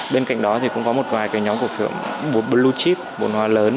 bên cạnh đó thì cũng có một vài cái nhóm cổ phiếu blue chip vốn hoa lớn